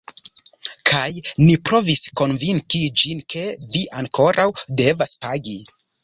Kaj ni provis konvinki ĝin, ke vi ankoraŭ devas pagi.